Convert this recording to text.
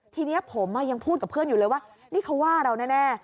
ทีนี้ผมยังพูดกับเพื่อนอยู่เลยว่านี่เขาว่าเราแน่